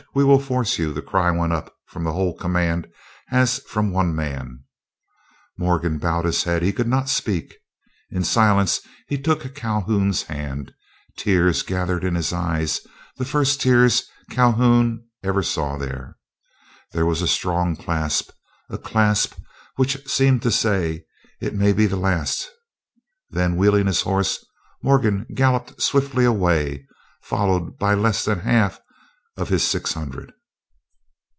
We will force you," the cry went up from the whole command as from one man. Morgan bowed his head, he could not speak. In silence he took Calhoun's hand, tears gathered in his eyes, the first tears Calhoun ever saw there. There was a strong clasp, a clasp which seemed to say "It may be the last," then, wheeling his horse, Morgan galloped swiftly away, followed by less than half of his six hundred.